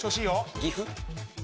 岐阜？